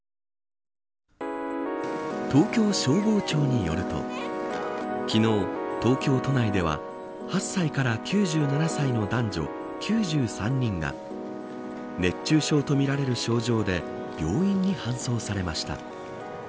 東京消防庁によると昨日、東京都内では８歳から９７歳の男女９３人が熱中症とみられる症状で病院に搬送されました。